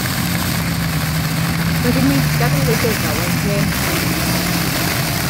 Roedd hi'n weithgar yn wleidyddol o'i hieuenctid.